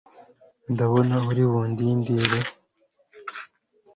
ndabona uribundindire